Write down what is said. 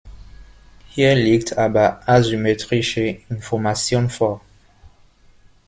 Hier liegt aber asymmetrische Information vor.